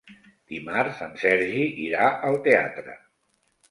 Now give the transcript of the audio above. Dimarts en Sergi irà al teatre.